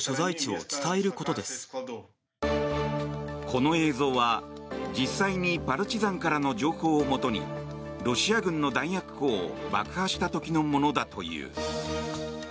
この映像は、実際にパルチザンからの情報をもとにロシア軍の弾薬庫を爆破した時のものだという。